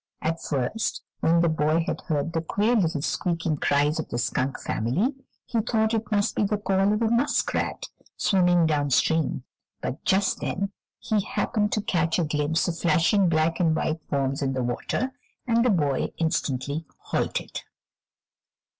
At first, when the boy had heard the queer little squeaking cries of the skunk family, he thought it must be the call of a muskrat, swimming down stream, but just then he happened to catch a glimpse of flashing black and white forms in the water, and the boy instantly halted.